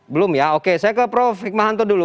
belum ya oke saya ke prof hikmahanto dulu